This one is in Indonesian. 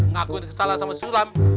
ngakuin kesalah sama sulam